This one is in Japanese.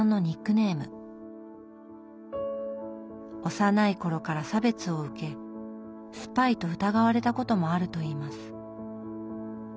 幼い頃から差別を受けスパイと疑われたこともあるといいます。